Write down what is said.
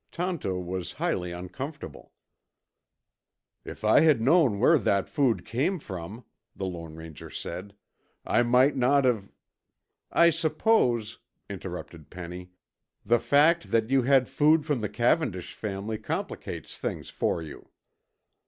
Tonto was highly uncomfortable. "If I had known where that food came from," the Lone Ranger said, "I might not have " "I suppose," interrupted Penny, "the fact that you had food from the Cavendish family complicates things for you."